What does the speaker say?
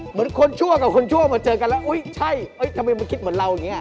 เหมือนคนชั่วกับคนชั่วมาเจอกันแล้วอุ๊ยใช่ทำไมมาคิดเหมือนเราอย่างนี้